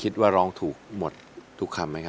ถ้าพูดไว้